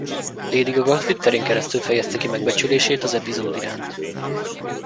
Lady Gaga Twitter-én keresztül fejezte ki megbecsülését az epizód iránt.